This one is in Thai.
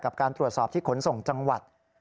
การตรวจสอบที่ขนส่งจังหวัด